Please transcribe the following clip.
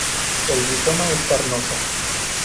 El rizoma es carnoso.